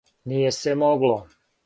Није се могло.